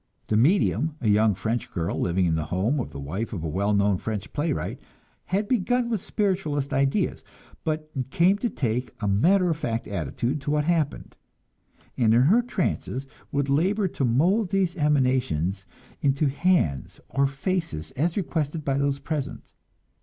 The medium, a young French girl living in the home of the wife of a well known French playwright, had begun with spiritualist ideas, but came to take a matter of fact attitude to what happened, and in her trances would labor to mold these emanations into hands or faces, as requested by those present.